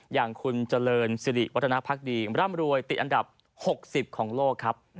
อย่างคุณเจริญสิริวัฒนภักดีร่ำรวยติดอันดับ๖๐ของโลกครับ